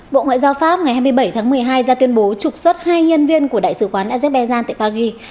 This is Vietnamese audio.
bộ ngoại giao pháp ngày hai mươi bảy tháng một mươi hai ra tuyên bố trục xuất hai nhân viên của đại sứ quán azerbaijan tại paris